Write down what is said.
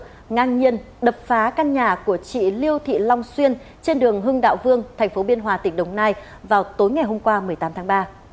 đối tượng ngang nhiên đập phá căn nhà của chị liêu thị long xuyên trên đường hưng đạo vương tp biên hòa tỉnh đồng nai vào tối ngày hôm qua một mươi tám tháng ba